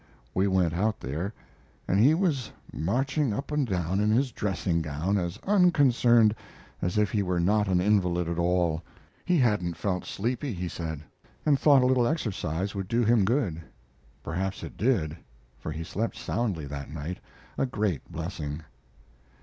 We went out there, and he was marching up and down in his dressing gown as unconcerned as if he were not an invalid at all. He hadn't felt sleepy, he said, and thought a little exercise would do him good. Perhaps it did, for he slept soundly that night a great blessing.